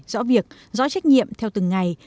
rõ việc rõ trách nhiệm theo từng ngày